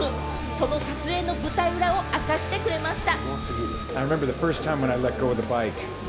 その撮影の舞台裏を明かしてくれました。